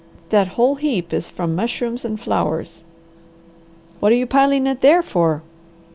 That whole heap is from mushrooms and flowers." "What are you piling it there for?"